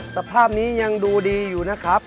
สภาพนี้ยังดูดีอยู่นะครับ